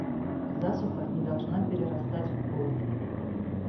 Засуха не должна перерастать в голод.